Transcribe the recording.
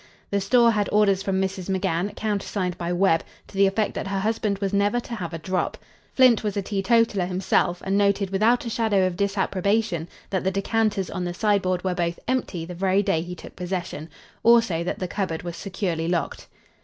The store had orders from Mrs. McGann, countersigned by Webb, to the effect that her husband was never to have a drop. Flint was a teetotaller himself, and noted without a shadow of disapprobation that the decanters on the sideboard were both empty the very day he took possession, also that the cupboard was securely locked.